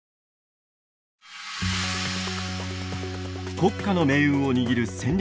国家の命運を握る戦略